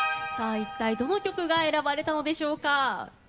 一体どの曲が選ばれたのでしょうか。